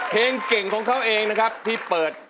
เพลงเก่งของเขาเองนะครับที่เปิด